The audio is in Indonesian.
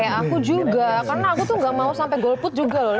kayak aku juga karena aku tuh gak mau sampai golput juga loh